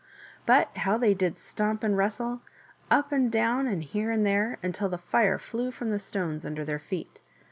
But how they did stamp and wrestle : Up and down and here and there, until the fire flew from the stones under their feet.